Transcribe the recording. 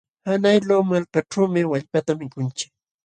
Qanqayllu malkaćhuumi wallpata mikunchik.